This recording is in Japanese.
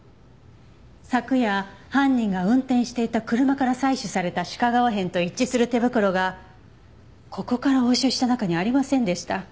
昨夜犯人が運転していた車から採取された鹿革片と一致する手袋がここから押収した中にありませんでした。